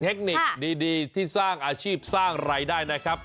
เทคนิคดีที่สร้างอาชีพสร้างรายได้นะครับ